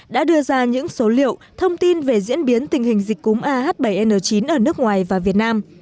đã đưa ra những số liệu thông tin về diễn biến tình hình dịch cúm ah bảy n chín ở nước ngoài và việt nam